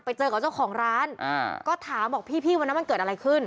ไปเจอกับเจ้าของร้านก็ถามบอกพี่พี่วันนั้นมันเกิดอะไรขึ้น